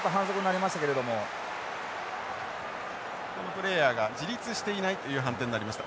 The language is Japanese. プレーヤーが自立していないという判定になりました。